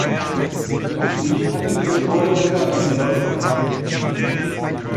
Die Idee hatte ihre Vorläufer in London.